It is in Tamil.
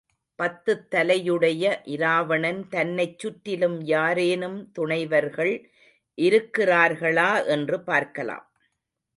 பத்துத் தலையையுடைய இராவணன் தன்னைச் சுற்றிலும் யாரேனும் துணைவர்கள் இருக்கிறார்களா என்று பார்க்கலாம்.